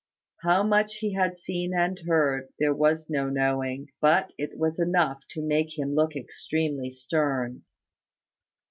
How much he had seen and heard, there was no knowing; but it was enough to make him look extremely stern.